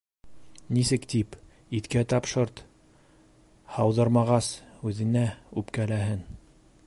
Нисек тип, иткә тапшырт, һауҙырмағас, үҙенә үпкәләһен.